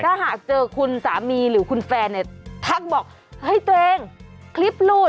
ถ้าหากเจอคุณสามีหรือคุณแฟนเนี่ยทักบอกเฮ้ยตัวเองคลิปหลุด